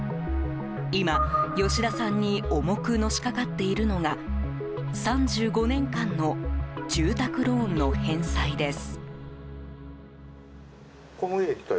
今、吉田さんに重くのしかかっているのが３５年間の住宅ローンの返済です。